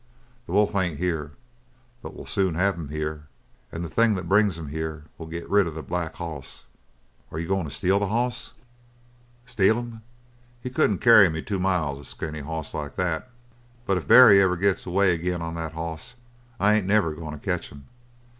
"The wolf ain't here, but we'll soon have him here. And the thing that brings him here will get rid of the black hoss." "Are you goin' to steal the hoss?" "Steal him? He couldn't carry me two mile, a skinny hoss like that. But if Barry ever gets away agin on that hoss I ain't never goin' to catch him.